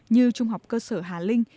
như trung học cơ sở hà linh